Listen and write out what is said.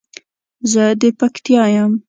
زه د پکتیا یم